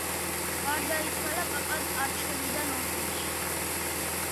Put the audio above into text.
გარდაიცვალა პაპად არჩევიდან ორ თვეში.